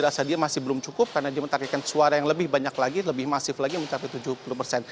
rasa dia masih belum cukup karena dia menargetkan suara yang lebih banyak lagi lebih masif lagi mencapai tujuh puluh persen